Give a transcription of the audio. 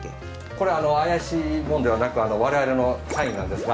これ怪しいもんではなく我々の社員なんですが。